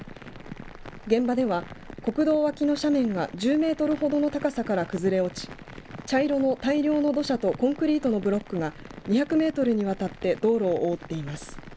現場では国道脇の斜面が１０メートルほどの高さから崩れ落ち茶色の土砂とコンクリートのブロックが２００メートルにわたって道路を覆っています。